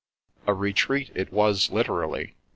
A retreat it was liter ally.